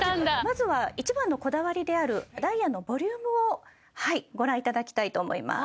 まずは一番のこだわりであるダイヤのボリュームをはいご覧いただきたいと思います